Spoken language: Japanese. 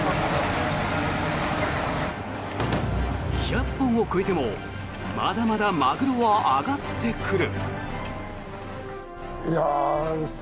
１００本を超えてもまだまだマグロは揚がってくる。